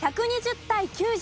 １２０対９０。